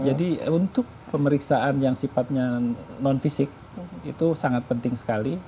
jadi untuk pemeriksaan yang sifatnya non fisik itu sangat penting sekali